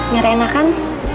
biar enak kan